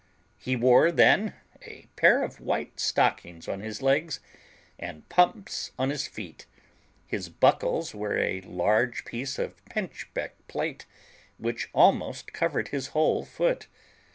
He wore, then, a pair of white stockings on his legs, and pumps on his feet: his buckles were a large piece of pinchbeck plate, which almost covered his whole foot.